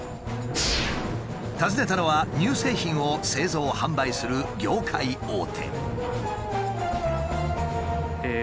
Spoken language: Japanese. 訪ねたのは乳製品を製造・販売する業界大手。